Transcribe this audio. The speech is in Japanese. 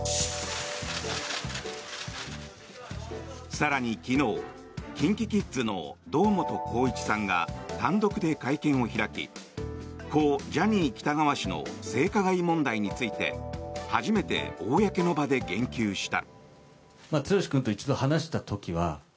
更に昨日ＫｉｎＫｉＫｉｄｓの堂本光一さんが単独で会見を開き故・ジャニー喜多川氏の性加害問題について初めて公の場で言及した。